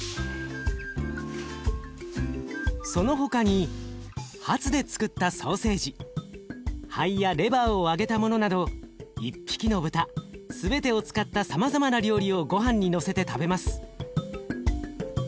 その他にハツでつくったソーセージ肺やレバーを揚げたものなど一匹の豚全てを使ったさまざまな料理をごはんにのせて食べます。